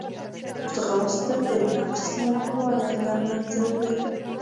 ځغاسته د نفس لنډوالی له منځه وړي